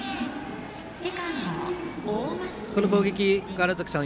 この攻撃、川原崎さん